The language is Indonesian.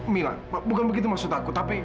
milan bukan begitu maksud aku tapi